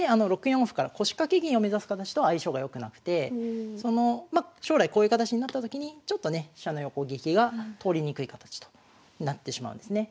６四歩から腰掛け銀を目指す形とは相性が良くなくてま将来こういう形になったときにちょっとね飛車の横利きが通りにくい形となってしまうんですね。